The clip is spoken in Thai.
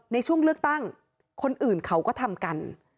ในช่วงเลือกตั้งคนอื่นเขาก็ทำกัน